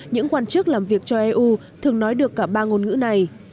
những quan chức làm việc cho eu thường nói được cả ba ngôn ngữ này